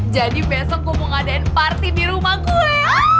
jadi besok gue mau ngadain parti di rumah gue